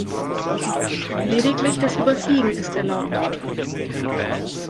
Lediglich das Überfliegen ist erlaubt.